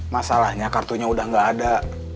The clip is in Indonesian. masalahnya kartunya udah gak ada